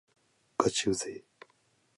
がちうぜぇ